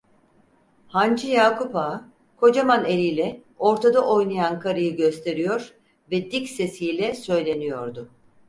Hancı Yakup Ağa, kocaman eliyle ortada oynayan karıyı gösteriyor ve dik sesiyle söyleniyordu.